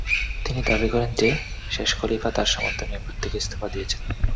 তিনি দাবি করেন যে, শেষ খলীফা তার সমর্থনে ঐ পদ থেকে ইস্তফা দিয়েছেন।